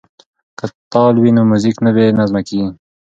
که تال وي نو موزیک نه بې نظمه کیږي.